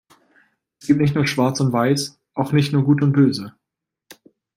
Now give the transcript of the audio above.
Es gibt nicht nur Schwarz und Weiß, auch nicht nur Gut und Böse.